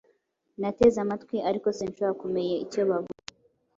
Nateze amatwi ariko sinshobora kumea icyo bavuga.